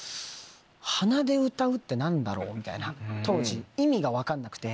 鼻で歌うって何だろうみたいな当時意味が分かんなくて。